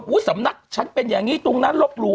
สำนักฉันเป็นอย่างนี้ตรงนั้นลบหลู่